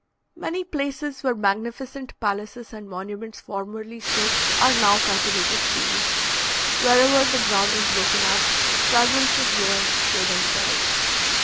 Many places where magnificent palaces and monuments formerly stood are now cultivated fields. Wherever the ground is broken up, fragments of ruins show themselves.